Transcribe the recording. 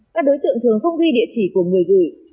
các đối tượng thường không ghi địa chỉ của người gửi